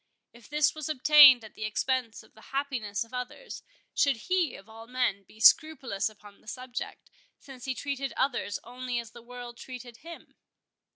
If this was obtained at the expense of the happiness of others, should he of all men be scrupulous upon the subject, since he treated others only as the world treated him?